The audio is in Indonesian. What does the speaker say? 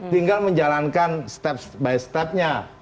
tinggal menjalankan step by stepnya